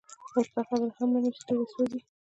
اوس دا خبره هم مني چي تيږي سوزي،